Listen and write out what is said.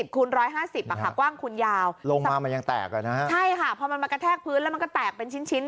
คูณ๑๕๐กว้างคูณยาวลงมามันยังแตกใช่ค่ะพอมันมากระแทกพื้นแล้วมันก็แตกเป็นชิ้น